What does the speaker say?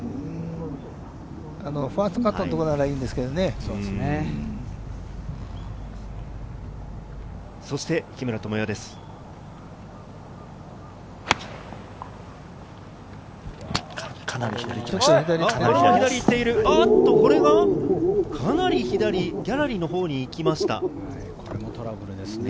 ファーストカットのところだったらいいんですけどね。